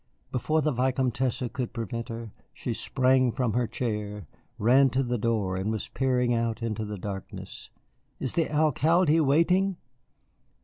Before the Vicomtesse could prevent her she sprang from her chair, ran to the door, and was peering out into the darkness. "Is the Alcalde waiting?"